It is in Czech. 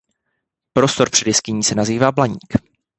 Prostor před jeskyní se nazývá Blaník.